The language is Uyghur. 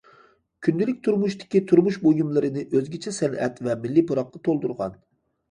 كۈندىلىك تۇرمۇشتىكى تۇرمۇش بۇيۇملىرىنى ئۆزگىچە سەنئەت ۋە مىللىي پۇراققا تولدۇرغان.